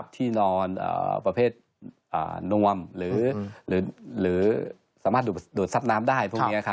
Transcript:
ที่นอนประเภทนวมหรือสามารถดูดซับน้ำได้พวกนี้